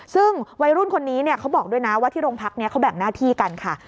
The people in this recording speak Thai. ซึ่งวัยรุ่นคนนี้เขาบอกด้วยนะว่าที่โรงพักนี้เขาแบ่งหน้าที่กันค่ะ